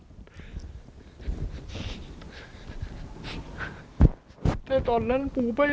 มีใครสักกี่คนที่มีวาสนาได้เป็นลูกพระบาท